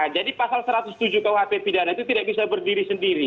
jadi pasal satu ratus tujuh kuhp pidana itu tidak bisa berdiri sendiri